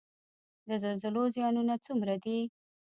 د زلزلو زیانونه څومره دي؟